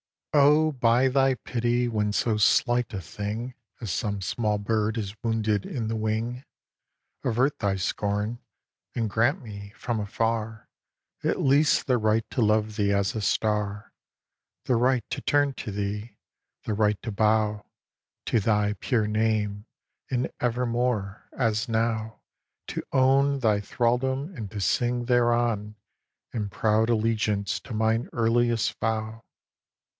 xiii. Oh, by thy pity when so slight a thing As some small bird is wounded in the wing, Avert thy scorn, and grant me, from afar, At least the right to love thee as a star, The right to turn to thee, the right to bow To thy pure name and evermore, as now, To own thy thraldom and to sing thereon, In proud allegiance to mine earliest vow.